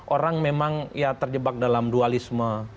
orang memang ya terjebak dalam dualisme